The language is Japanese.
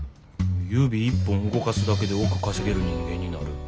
指一本動かすだけで億稼げる人間になる。